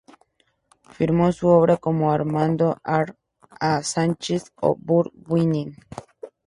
Firmó su obra como Armando, Ar!, A. Sánchez o Burt Winning.